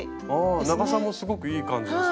あ長さもすごくいい感じですもんね。